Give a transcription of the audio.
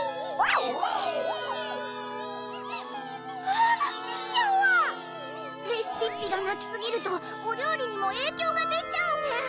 わぁ⁉ひゃわ⁉レシピッピがなきすぎるとお料理にも影響が出ちゃうメン！